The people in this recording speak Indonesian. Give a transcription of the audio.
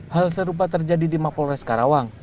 hal serupa terjadi di mapolres karawang